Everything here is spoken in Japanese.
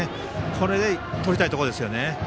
これでとりたいところですよね。